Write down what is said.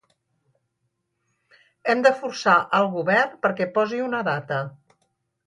Hem de forçar el govern perquè posi una data.